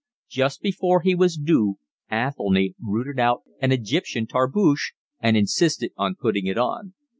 Just before he was due Athelny routed out an Egyptian tarboosh and insisted on putting it on.